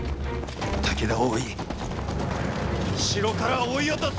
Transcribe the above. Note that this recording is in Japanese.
武田を追い後ろから追い落とす！